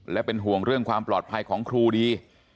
และเป็นห่วงเรื่องความปลอดภัยของครูดี